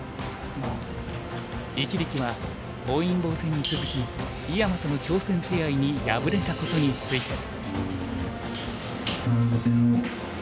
一力は本因坊戦に続き井山との挑戦手合に敗れたことについて。